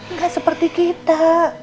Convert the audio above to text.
nggak seperti kita